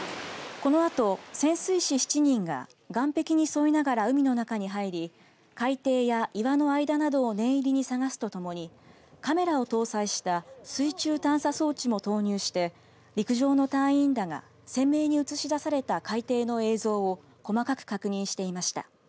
このあと、潜水士７人が岸壁に沿いながら海の中に入り海底や岩の間などを念入りに捜すとともにカメラを搭載した水中探査装置も投入して陸上の隊員らが鮮明に映し出された海底の映像を細かく確認していました。